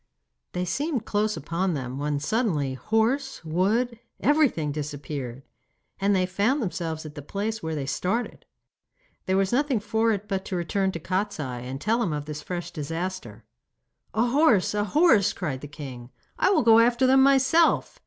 They seemed close upon them, when suddenly horse, wood, everything disappeared, and they found themselves at the place where they started. There was nothing for it but to return to Kostiei, and tell him of this fresh disaster. 'A horse! a horse!' cried the king. 'I will go after them myself.